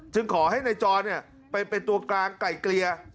จึงขอให้นายจรเนี้ยไปไปตัวกลางไก่เกลีย